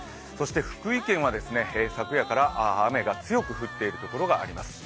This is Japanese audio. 福井県は昨夜から雨が強く降っているところがあります。